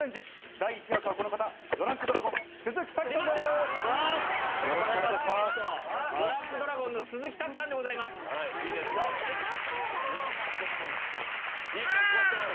第１枠はこの方、ドランクドラゴお願いします。